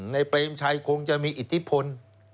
ในเปรมชัยมีมีอิทธิพล